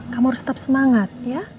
kamu harus tetap semangat